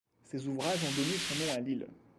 Ces ouvrages ont donné son nom à l'île.